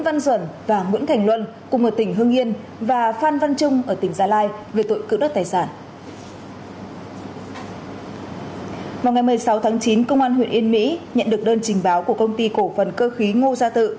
vào ngày một mươi sáu tháng chín công an huyện yên mỹ nhận được đơn trình báo của công ty cổ phần cơ khí ngô gia tự